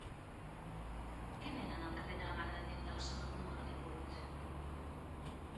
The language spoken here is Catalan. Què venen al carrer de la Mare de Déu de la Salut número divuit?